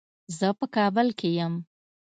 زه په کابل کې یم.